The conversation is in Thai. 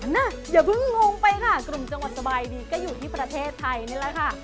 อย่าเพิ่งงงไปค่ะกลุ่มจังหวัดสบายดีก็อยู่ที่ประเทศไทยนี่แหละค่ะ